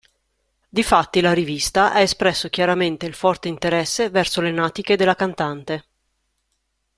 Difatti la rivista ha espresso chiaramente il forte interesse verso le natiche della cantante.